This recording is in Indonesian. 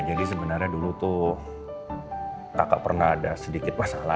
jadi sebenarnya dulu tuh kakak pernah ada sedikit masalah